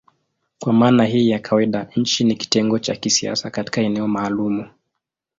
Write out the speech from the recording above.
Kwa maana hii ya kawaida nchi ni kitengo cha kisiasa katika eneo maalumu.